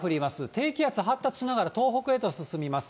低気圧発達しながら、東北へと進みます。